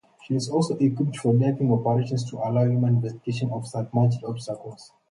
She also is equipped for diving operations to allow human investigation of submerged obstacles.